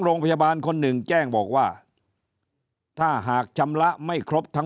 โรงพยาบาลคนหนึ่งแจ้งบอกว่าถ้าหากชำระไม่ครบทั้ง